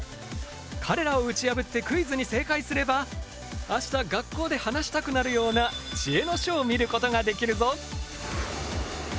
彼らを打ち破ってクイズに正解すれば明日学校で話したくなるような知恵の書を見ることができるぞ！